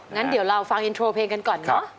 งั้นเดี๋ยวเราฟังอินโทรเพลงกันก่อนเนอะ